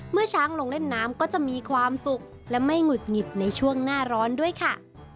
เมื่อช้างลงเล่นน้ำก็จะมีความสุขและไม่หงุดหงิดในช่วงหน้าร้อนด้วยค่ะ